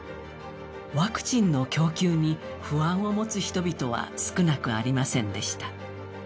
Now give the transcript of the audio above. ワクチンの供給に不安を持つ人々は少なくありませんでした。